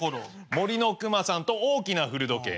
「森のくまさん」と「大きな古時計」ね。